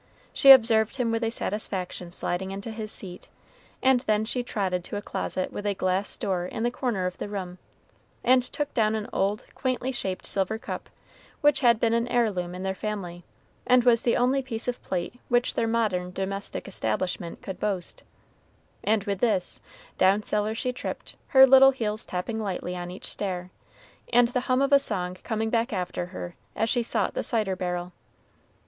She observed him with satisfaction sliding into his seat, and then she trotted to a closet with a glass door in the corner of the room, and took down an old, quaintly shaped silver cup, which had been an heirloom in their family, and was the only piece of plate which their modern domestic establishment could boast; and with this, down cellar she tripped, her little heels tapping lightly on each stair, and the hum of a song coming back after her as she sought the cider barrel.